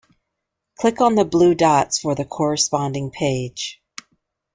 Click on the blue dots for the corresponding page.